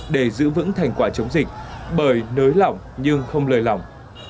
để giữ vững thành quả chống dịch bởi nới lỏng nhưng không lời lòng